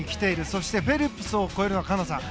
そしてフェルプスを超えるのは環奈さん